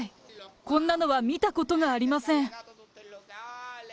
こんなのは見たことがありません。